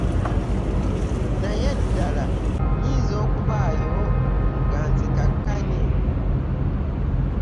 Naye ddala nnyinza okubaayo nga nzikakkanye?